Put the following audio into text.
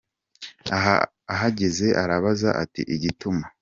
Ahageze arababaza ati “Igituma.